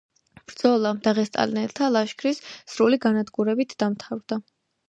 ბრძოლა დაღესტნელთა ლაშქრის სრული განადგურებით დამთავრდა.